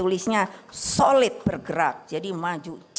alzheimer ya kan di liarin